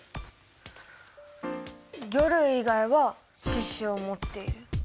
魚類以外は四肢をもっている。